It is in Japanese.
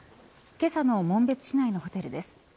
けさの紋別市内のホテルです。